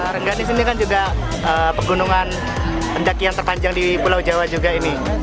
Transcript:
renggani sini kan juga pegunungan pendaki yang terpanjang di pulau jawa juga ini